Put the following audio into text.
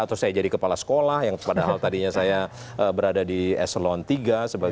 atau saya jadi kepala sekolah yang padahal tadinya saya berada di eselon tiga sebagai administrator atau macam macam